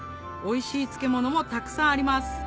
おいしい漬物もたくさんあります